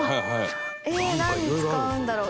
何使うんだろう？